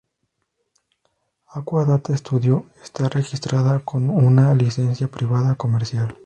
Aqua Data Studio está registrado con una licencia privada comercial.